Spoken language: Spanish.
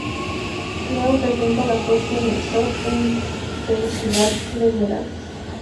Leo representa la fuerza del Sol e intensidad del verano.